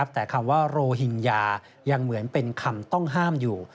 แต่คำว่าโรฮิงญายังเหมือนเป็นคำต้องห้ามอยู่